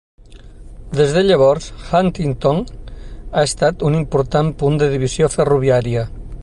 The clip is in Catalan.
Des de llavors, Huntington ha estat un important punt de divisió ferroviària.